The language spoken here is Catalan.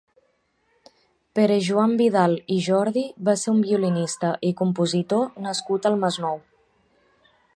Pere Joan Vidal i Jordi va ser un violinista i compositor nascut al Masnou.